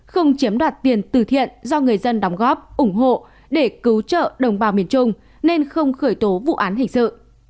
không chiếm đoạt tiền tử thiện do người dân đóng góp ủng hộ để cứu trợ đồng bào miền trung nên không khởi tố vụ án hình sự